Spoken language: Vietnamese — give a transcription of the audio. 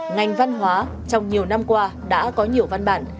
ngành văn hóa trong nhiều năm qua đã có nhiều văn bản